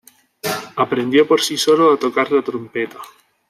Aprendió por sí solo a tocar la trompeta.